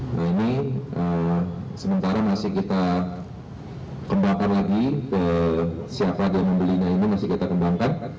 nah ini sementara masih kita kembangkan lagi siapa dia membelinya ini masih kita kembangkan